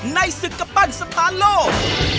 ในศึกกำปั้นสถานโลก